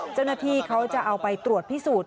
เจ้าหน้าที่เขาจะเอาไปตรวจพิสูจน์